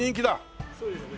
そうですね。